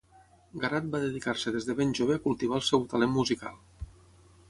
Garat va dedicar-se des de ben jove a cultivar el seu talent musical.